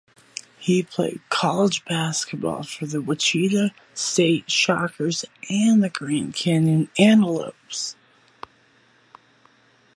He played college basketball for the Wichita State Shockers and the Grand Canyon Antelopes.